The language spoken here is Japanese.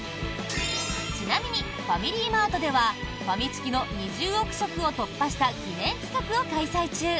ちなみに、ファミリーマートではファミチキの２０億食を突破した記念企画を開催中。